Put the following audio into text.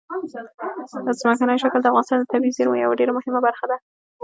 ځمکنی شکل د افغانستان د طبیعي زیرمو یوه ډېره مهمه برخه ده.